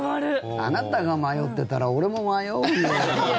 あなたが迷ってたら俺も迷うんだよ。